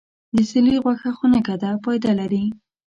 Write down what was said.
د سیرلي غوښه خونکه ده، فایده لري.